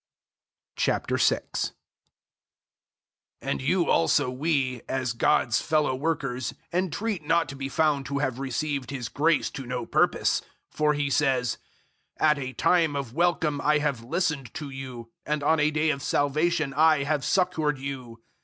006:001 And you also we, as God's fellow workers, entreat not to be found to have received His grace to no purpose. 006:002 For He says, "At a time of welcome I have listened to you, and on a day of salvation I have succoured you."